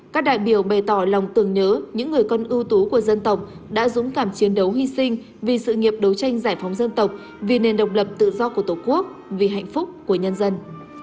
các đại biểu bày tỏ lòng tưởng nhớ những người con ưu tú của dân tộc đã dũng cảm chiến đấu hy sinh vì sự nghiệp đấu tranh giải phóng dân tộc vì nền độc lập tự do của tổ quốc vì hạnh phúc của nhân dân